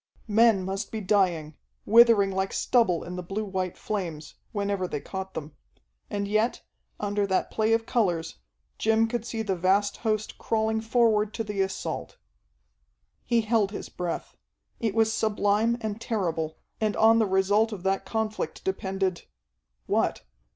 Men must be dying, withering like stubble in the blue white flames, whenever they caught them. And yet, under that play of colors, Jim could see the vast host crawling forward to the assault. He held his breath. It was sublime and terrible, and on the result of that conflict depended what?